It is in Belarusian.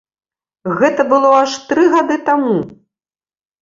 Гэта было аж тры гады таму!